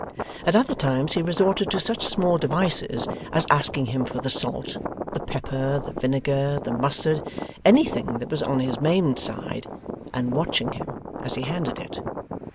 At other times he resorted to such small devices as asking him for the salt, the pepper, the vinegar, the mustard anything that was on his maimed side and watching him as he handed it.